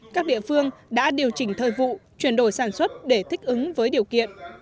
các địa phương đã điều chỉnh thời vụ chuyển đổi sản xuất để thích ứng với điều kiện